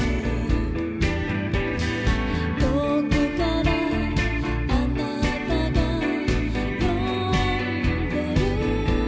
「遠くからあなたが呼んでる」